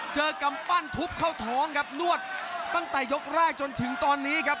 กำปั้นทุบเข้าท้องครับนวดตั้งแต่ยกแรกจนถึงตอนนี้ครับ